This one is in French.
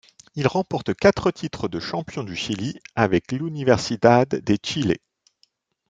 Il remporte quatre titres de champion du Chili avec l'Universidad de Chile.